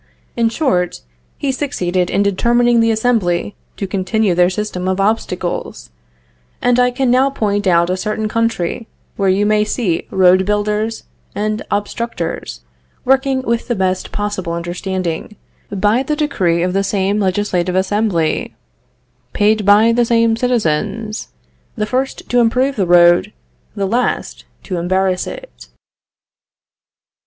In short, he succeeded in determining the assembly to continue their system of obstacles, and I can now point out a certain country where you may see road builders and Obstructors working with the best possible understanding, by the decree of the same legislative assembly, paid by the same citizens; the first to improve the road, the last to embarrass it.